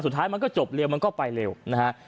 สุดท้ายมันก็จบเร็วมันก็ไปเร็วนะฮะ